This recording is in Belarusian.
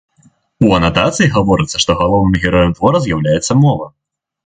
У анатацыі гаворыцца, што галоўным героем твора з'яўляецца мова.